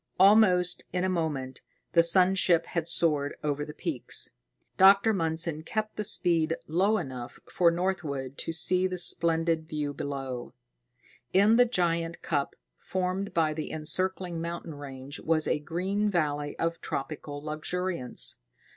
Almost in a moment, the sun ship had soared over the peaks. Dr. Mundson kept the speed low enough for Northwood to see the splendid view below. In the giant cup formed by the encircling mountain range was a green valley of tropical luxuriance.